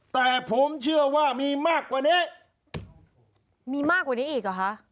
แต่ผมเชื่อว่ามีมากกว่านี้มีมากกว่านี้อีกหรอคะ